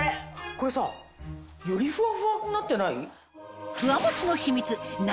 これさよりふわふわになってない？